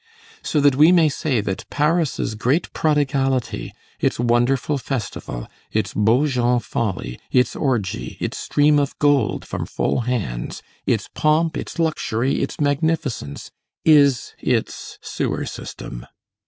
So that we may say that Paris's great prodigality, its wonderful festival, its Beaujon folly, its orgy, its stream of gold from full hands, its pomp, its luxury, its magnificence, is its sewer system.